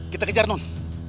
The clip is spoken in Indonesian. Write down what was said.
kita kejar nun